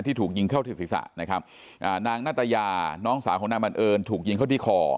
ที่ถูกยิงเข้าที่ศิษย์ศาสตร์นะครับนางนาตาญาน้องสาวของนางบังเอิญถูกยิงเข้าที่คอ